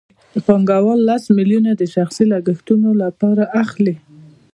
پانګوال لس میلیونه د شخصي لګښتونو لپاره اخلي